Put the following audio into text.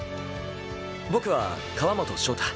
僕は川本翔大。